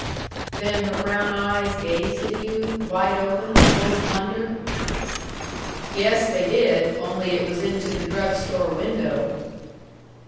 "Then her brown eyes gazed at you, wide open, full of wonder?" "Yes, they did only it was into the drug store window."